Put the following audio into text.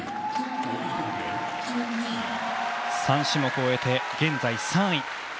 ３種目終えて現在３位。